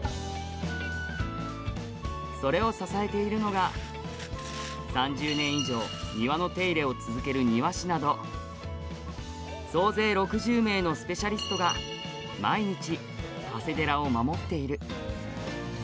それを支えているのが３０年以上庭の手入れを続ける庭師など総勢６０名のスペシャリストが毎日、長谷寺を守っている。